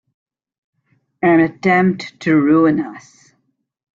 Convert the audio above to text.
An attempt to ruin us!